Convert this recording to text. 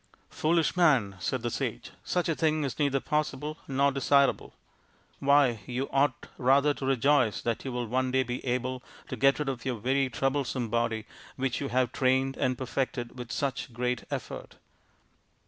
" Foolish man," said the sage, " such a thing is neither possible nor desirable. Why, you ought rather to rejoice that you will one day be able to get rid of your very troublesome body which you have trained and perfected with such great effort."